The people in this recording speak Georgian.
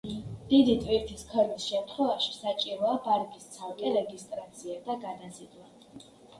დიდი ტვირთის ქონის შემთხვევაში, საჭიროა ბარგის ცალკე რეგისტრაცია და გადაზიდვა.